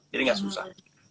jadi gak susah